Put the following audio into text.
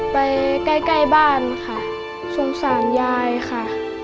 ไปใกล้บ้านค่ะสงสารยายค่ะ